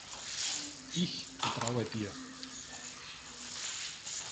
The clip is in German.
Ich vertraue dir.